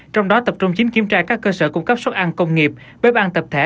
trong đó tập trung chính kiểm tra các cơ sở cung cấp xuất ăn công nghiệp bếp ăn tập thể